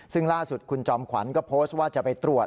ซึ่งล่าสุดคุณจอมขวัญก็โพสต์ว่าจะไปตรวจ